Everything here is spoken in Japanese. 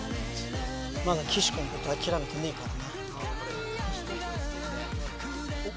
まだ岸子のこと諦めてねえからな。